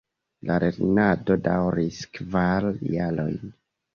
La lernado daŭris kvar jarojn.